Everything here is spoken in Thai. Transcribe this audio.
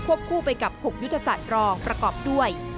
คู่ไปกับ๖ยุทธศาสตร์รองประกอบด้วย